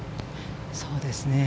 そうですね。